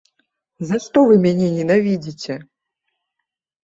За што вы мяне ненавідзіце?